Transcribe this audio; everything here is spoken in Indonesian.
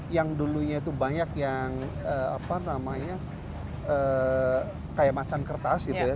yang dulunya itu banyak yang apa namanya kayak macan kertas gitu ya